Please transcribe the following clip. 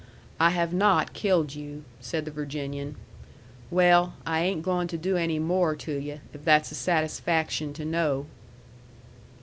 "I have not killed you," said the Virginian. "Well, I ain't goin' to do any more to yu' if that's a satisfaction to know."